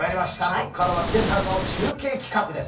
ここからは今朝の中継企画です。